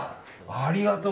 ありがとう。